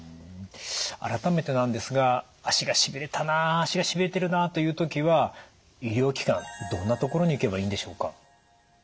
改めてなんですが足がしびれたな足がしびれてるなという時は医療機関どんな所に行けばいいんでしょうか？